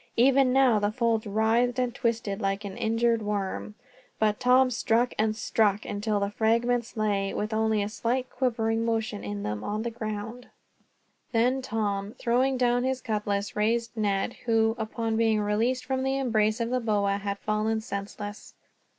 Even now, the folds writhed and twisted like an injured worm; but Tom struck, and struck, until the fragments lay, with only a slight quivering motion in them, on the ground. Then Tom, throwing down his cutlass, raised Ned; who, upon being released from the embrace of the boa, had fallen senseless.